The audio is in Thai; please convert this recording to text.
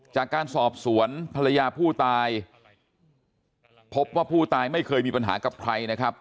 จากการสอบสวนภรรยาผู้ตายพบว่าผู้ตายไม่เคยมีปัญหากับใครนะครับ